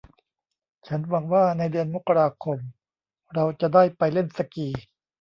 ฉันหวังว่าในเดือนมกราคมเราจะได้ไปเล่นสกี